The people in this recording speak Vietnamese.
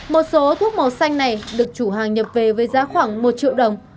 một số thuốc màu xanh này được chủ hàng nhập về với giá khoảng một triệu đồng